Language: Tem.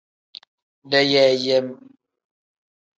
Deyeeyem.